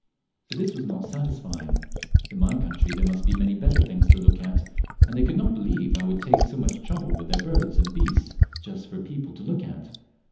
But this was not satisfying; in my country there must be many better things to look at, and they could not believe I would take so much trouble with their birds and beasts just for people to look at.